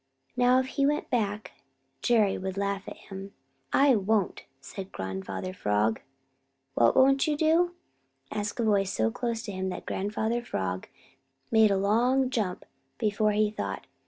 Now if he went back, Jerry would laugh at him. "I won't!" said Grandfather Frog. "What won't you do?" asked a voice so close to him that Grandfather Frog made a long jump before he thought.